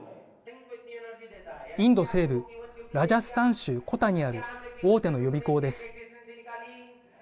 インド西部ラジャスタン州コタにある大手の予備校です。